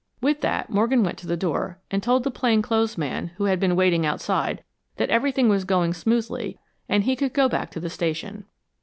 With that Morgan went to the door and told the plain clothes man, who had been waiting outside, that everything was going smoothly and he could go back to the station.